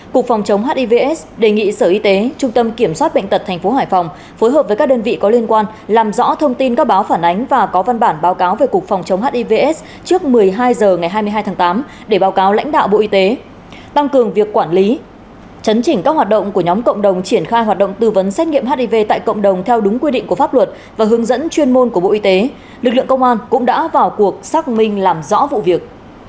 cục phòng chống hivs đề nghị sở y tế trung tâm kiểm soát bệnh tật tp hải phòng phối hợp với các đơn vị có liên quan làm rõ thông tin các báo phản ánh và có văn bản báo cáo về cục phòng chống hivs trước một mươi hai h ngày hai mươi hai tháng tám để báo cáo lãnh đạo bộ y tế tăng cường việc quản lý chấn chỉnh các hoạt động của nhóm cộng đồng triển khai hoạt động tư vấn xét nghiệm hiv tại cộng đồng theo đúng quy định của pháp luật và hướng dẫn chuyên môn của bộ y tế lực lượng công an cũng đã vào cuộc xác minh làm rõ vụ việc